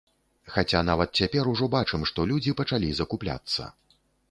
Хаця нават цяпер ужо бачым, што людзі пачалі закупляцца.